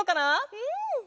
うん！